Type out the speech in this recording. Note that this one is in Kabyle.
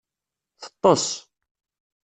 Teṭṭes.